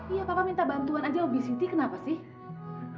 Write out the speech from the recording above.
iya papa minta bantuan aja sama bisiti kenapa sih